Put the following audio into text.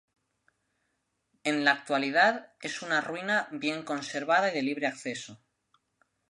En la actualidad es una ruina bien conservada y de libre acceso.